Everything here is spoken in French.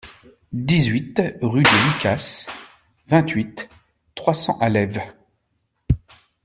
dix-huit rue des Lucasses, vingt-huit, trois cents à Lèves